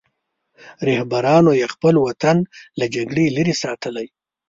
رهبرانو یې خپل وطن له جګړې لرې ساتلی.